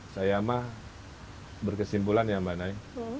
saya mah berkesimpulan ya mbak nai